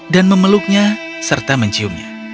dan memeluknya serta menciumnya